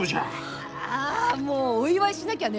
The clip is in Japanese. ああもうお祝いしなきゃね。